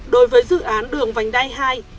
đối với dự án đường vành đai hai